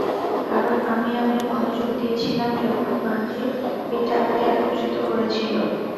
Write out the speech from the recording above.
কারণ আমি-আমি মনোযোগ দিয়েছিলাম যখন বাঞ্জি এটা আগে একত্রিত করেছিলো।